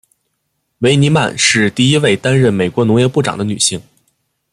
维尼曼是第一位担任美国农业部长的女性。